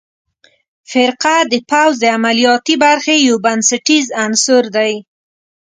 فرقه د پوځ د عملیاتي برخې یو بنسټیز عنصر دی.